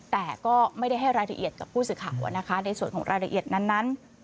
แต่ก็ไม่ได้ให้รายละเอียดกับผู้สื่อข่าวนะคะในส่วนของรายละเอียดนั้น